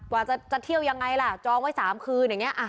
ว่าจะเที่ยวยังไงล่ะจองไว้๓คืนอย่างนี้